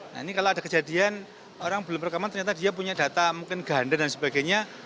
nah ini kalau ada kejadian orang belum rekaman ternyata dia punya data mungkin ganda dan sebagainya